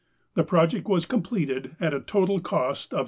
The project was completed at a total cost of $76,571.